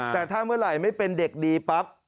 แต่ถ้าเมื่อไหร่ไม่เป็นเด็กดีปั๊บ